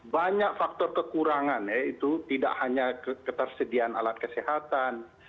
banyak faktor kekurangan yaitu tidak hanya ketersediaan alat kesehatan